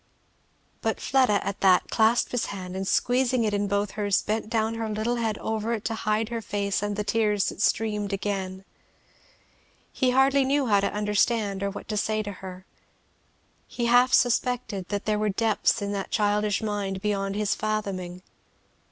But Fleda at that clasped his hand, and squeezing it in both hers bent down her little head over it to hide her face and the tears that streamed again. He hardly knew how to understand or what to say to her. He half suspected that there were depths in that childish mind beyond his fathoming.